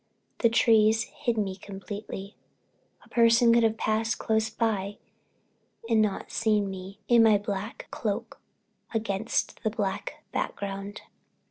The trees hid me completely. A person could have passed close by and not seen me standing there in my black cloak against the black background.